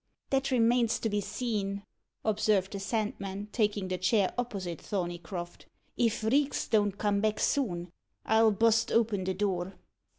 "That remains to be seen," observed the Sandman, taking the chair opposite Thorneycroft. "If Reeks don't come back soon, I'll bust open the door."